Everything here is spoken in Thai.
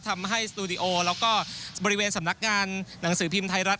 สตูดิโอแล้วก็บริเวณสำนักงานหนังสือพิมพ์ไทยรัฐ